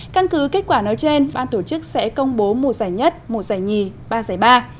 căn cứ kết quả nói trên ban tổ chức sẽ công bố một giải nhất một giải nhì ba giải ba